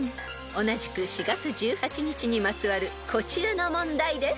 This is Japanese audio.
［同じく４月１８日にまつわるこちらの問題です］